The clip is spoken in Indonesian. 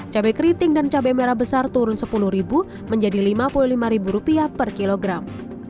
cabai keriting dan cabai merah besar turun sepuluh ribu menjadi lima puluh lima ribu rupiah per kilogram